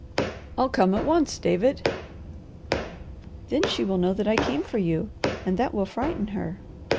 "I'll come at once, David." "Then she will know that I came for you, and that will frighten her.